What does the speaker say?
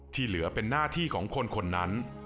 เหลือเป็นหน้าที่ของคนคนนั้น